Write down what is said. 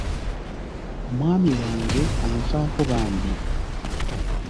Omwami wange anfaako bambi.